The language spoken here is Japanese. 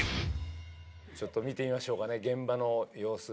ちょっと見てみましょうかね、現場の様子。